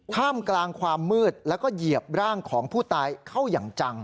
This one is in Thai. ท่ามกลางความมืดแล้วก็เหยียบร่างของผู้ตายเข้าอย่างจัง